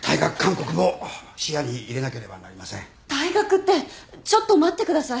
退学ってちょっと待ってください。